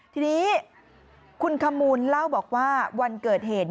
ทีนี้คุณขมูลเล่าบอกว่าวันเกิดเหตุ